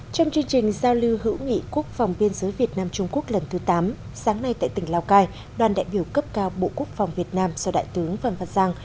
trong chương trình giao lưu hữu nghị quốc phòng biên giới việt nam trung quốc lần thứ tám sáng nay tại tỉnh lào cai đoàn đại biểu cấp cao bộ quốc phòng việt nam do đại tướng phan văn giang